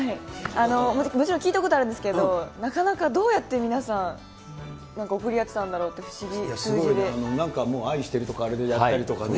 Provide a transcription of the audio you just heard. もちろん、聞いたことはあるんですけど、なかなかどうやって皆さん、なんかもう愛してるとか、あれでやったりとかね。